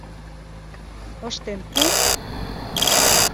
Ыштен пу!